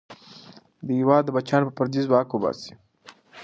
د هېواد بچیان به پردی ځواک وباسي.